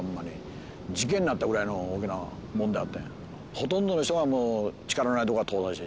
ほとんどの人がもう。